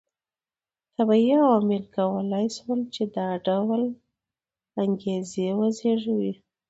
طبیعي عواملو کولای شول چې دا ډول انګېزې وزېږوي